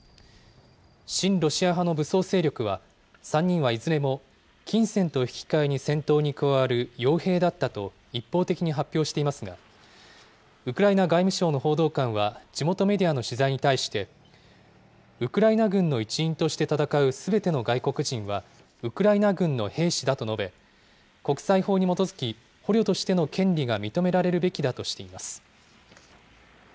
親ロシア派の武装勢力は、３人はいずれも金銭と引き換えに戦闘に加わるよう兵だったと一方的に発表していますが、ウクライナ外務省の報道官は、地元メディアの取材に対して、ウクライナ軍の一員として戦うすべての外国人はウクライナ軍の兵士だと述べ、国際法に基づき、捕虜としての権利が認められるべきだとしています。